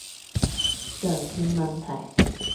常見問題